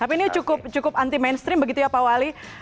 tapi ini cukup anti mainstream begitu ya pak wali